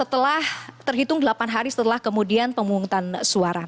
terhitung delapan hari setelah kemudian pengungutan suara